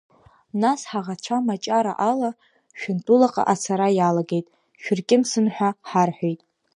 Нас ҳаӷацәа Маҷара ала, Шәантәылаҟа ацара иалагеит, шәыркьымсын ҳәа ҳарҳәеит.